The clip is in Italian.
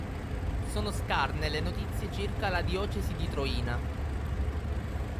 Sono scarne le notizie circa la diocesi di Troina.